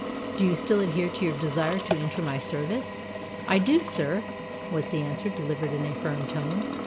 Do you still adhere to your desire to enter my service?" "I do, sir," was the answer, delivered in a firm tone.